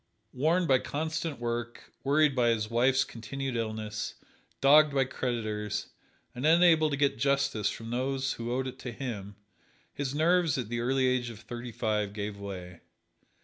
Worn by constant work, worried by his wife's continued illness, dogged by creditors, and unable to get justice from those who owed it to him, his nerves at the early age of thirty five gave way.